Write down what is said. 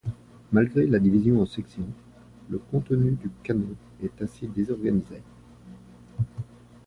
Malgré la division en sections, le contenu du Canon est assez désorganisé.